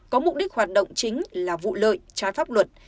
có mục đích hoạt động chính là vụ lợi trái pháp luật